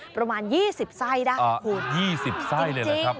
ประมาณ๒๐ไส้ได้ขอบคุณนะครับจริงอ่า๒๐ไส้เลยเหรอครับ